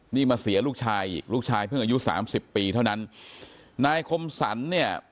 นี่มาเสียลูกชายอีกลูกชายเพิ่งอายุสามสิบปีเท่านั้นนายคมสรรเนี่ย